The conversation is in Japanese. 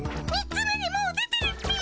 ３つ目にもう出てるっピィ。